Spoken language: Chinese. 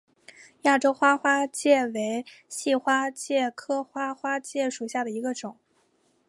亚洲花花介为细花介科花花介属下的一个种。